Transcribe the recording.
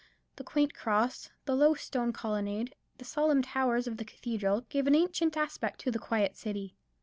The quaint cross, the low stone colonnade, the solemn towers of the cathedral, gave an ancient aspect to the quiet city.